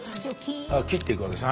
切っていくわけですね。